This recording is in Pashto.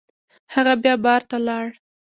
هغه بیا بار ته لاړ.